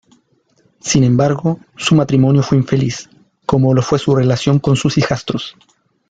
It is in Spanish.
Sin embargo, su matrimonio fue infeliz, como lo fue su relación con sus hijastros.